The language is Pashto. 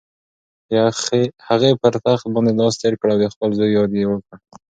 هغې پر تخت باندې لاس تېر کړ او د خپل زوی یاد یې وکړ.